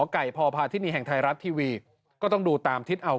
ไก่พอพาทินีแห่งไทยรัฐทีวีก็ต้องดูตามทิศเอา